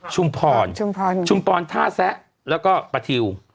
ชุมพรท่าแซะแล้วก็ปะทิว